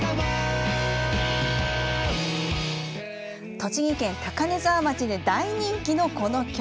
栃木県高根沢町で大人気のこの曲。